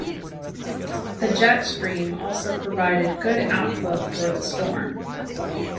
The jet stream also provided good outflow for the storm.